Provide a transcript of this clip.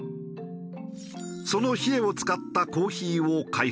そのヒエを使ったコーヒーを開発。